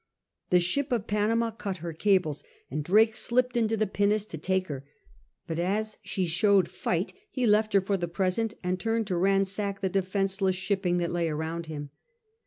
The ship of Panama cut her cables, and Drake slipped into the pinnace to take her; but as she showed fight he left her for the present and turned to ransack the defenceless shipping that lay around him.